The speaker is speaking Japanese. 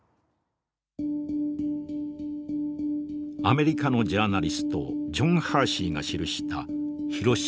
アメリカのジャーナリストジョン・ハーシーが記した「ヒロシマ」。